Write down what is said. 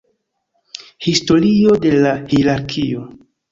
Historio de la hierarkio.